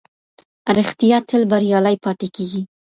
رښتيا تل بريالی پاتې کېږي.